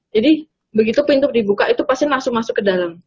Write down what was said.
jadi begitu pintu dibuka itu pasien langsung masuk ke dalam